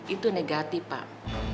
itu negatif pak